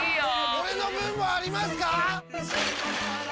俺の分もありますか！？